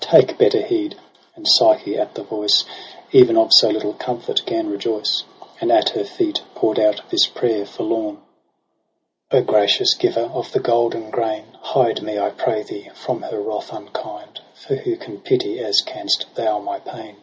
Take better heed !'— And Psyche, at the voice Even of so little comfort, gan rejoice. And at her feet pour'd out this prayer forlorn. M i^a EROS ^ PSYCHE ' O Gracious giver of the golden grain, Hide me, I pray thee, from her wrath unkind j For who can pity as canst thou my pain.